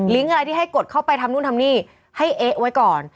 อะไรที่ให้กดเข้าไปทำนู่นทำนี่ให้เอ๊ะไว้ก่อน